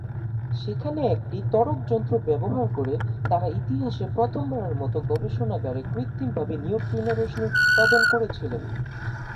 সেখানে একটি ত্বরক যন্ত্র ব্যবহার করে তারা ইতিহাসে প্রথমবারের মত গবেষণাগারে কৃত্রিমভাবে নিউট্রিনো রশ্মি উৎপাদন করেছিলেন।